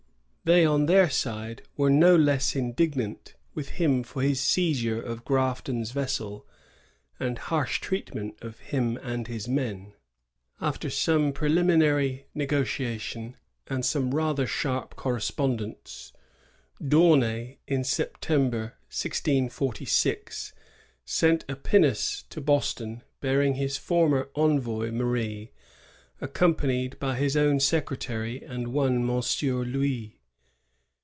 They, on their side, were no less indignant with him for his seizure of Grafton's vessel and harsh treatment of him and his men. After some preliminary negotiation and some rather sharp correspondence, D'Aunay, in September, 1646, sent a pinnace to Boston, bearing his former envoy, Marie, accompanied by his own secretary and by one Monsieur Louis.